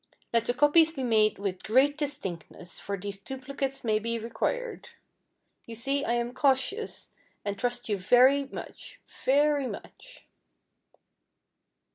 Let the copies be made with great distinctness, for these duplicates may be required. You see I am cautious, and trust you very much, very much."